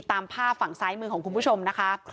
ตามภาพฝั่งซ้ายมือของคุณผู้ชมนะคะ